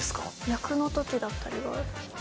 役のときだったりは。